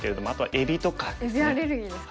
えびアレルギーですか？